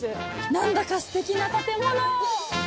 なんだかすてきな建物。